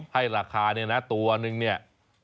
ให้ราคาเนี่ยนะตัวนึงเนี่ย